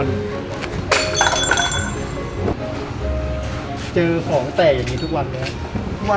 และที่เราต้องใช้เวลาในการปฏิบัติหน้าที่ระยะเวลาหนึ่งนะครับ